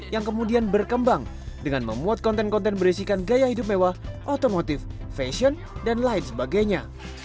yang kemudian berkembang dengan memuat konten konten berisikan gaya hidup mewah otomotif fashion dan lain sebagainya